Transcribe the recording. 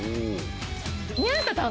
宮下さん